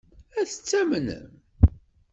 Ad tt-tamnem?